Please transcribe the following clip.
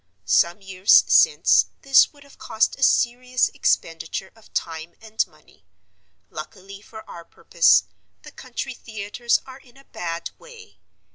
Some years since, this would have cost a serious expenditure of time and money. Luckily for our purpose, the country theaters are in a bad way.